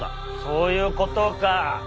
そういうことか。